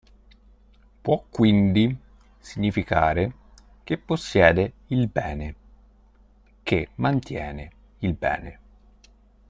Può quindi significare "che possiede il bene", "che mantiene il bene".